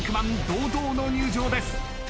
堂々の入場です。